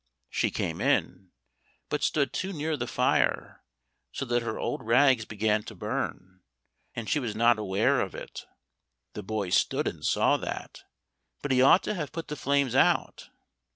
She came in, but stood too near the fire, so that her old rags began to burn, and she was not aware of it. The boy stood and saw that, but he ought to have put the flames out.